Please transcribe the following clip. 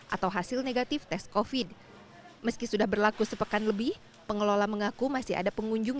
atau hasil negatif tes covid meski sudah berlaku sepekan lebih pengelola mengaku masih ada pengunjung